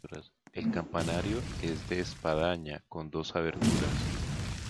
El campanario es de espadaña con dos aberturas.